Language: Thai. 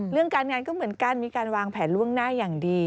เรื่องการงานก็เหมือนกันมีการวางแผนล่วงหน้าอย่างดี